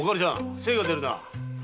精が出るな。